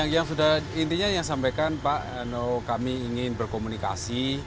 yang sudah intinya yang sampaikan pak kami ingin berkomunikasi